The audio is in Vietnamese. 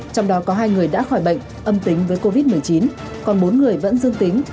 trong đó có hai người đã khỏi bệnh âm tính với covid một mươi chín còn bốn người vẫn dương tính